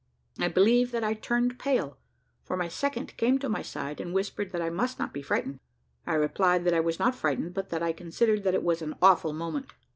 I believe that I turned pale, for my second came to my side and whispered that I must not be frightened. I replied that I was not frightened, but that I considered that it was an awful moment.